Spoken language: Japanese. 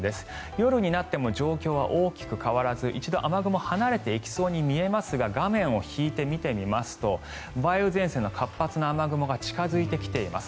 夜になっても状況は大きく変わらず一度、雨雲離れていきそうに見えますが画面を引いて見てみますと梅雨前線の活発な雨雲が近付いてきています。